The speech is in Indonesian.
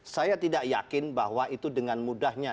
saya tidak yakin bahwa itu dengan mudahnya